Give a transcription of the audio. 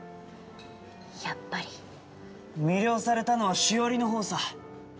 やっぱり魅了されたのは紫織のほうさ